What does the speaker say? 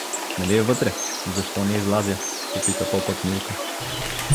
— Нали е вътре? Защо не излазя? — попита попът Милка.